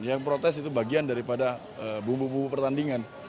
yang protes itu bagian daripada bumbu bumbu pertandingan